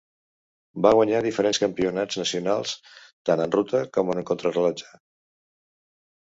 Va guanyar diferents campionats nacionals, tant en ruta com en contra-rellotge.